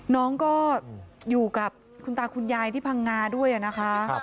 น้องก็อยู่กับคุณตาคุณยายที่พังงาด้วยนะคะ